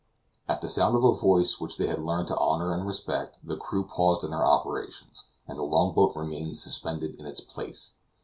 At the sound of a voice which they had learned to honor and respect, the crew paused in their operations, and the long boat remained suspended in its place.